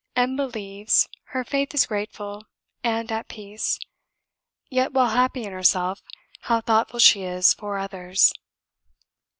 M believes; her faith is grateful and at peace; yet while happy in herself, how thoughtful she is for others!"